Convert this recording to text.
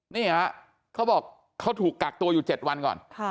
นี่ฮะเขาบอกเขาถูกกักตัวอยู่๗วันก่อน